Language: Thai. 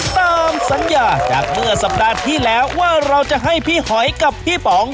ตามสัญญาจากเมื่อสัปดาห์ที่แล้วว่าเราจะให้พี่หอยกับพี่ป๋อง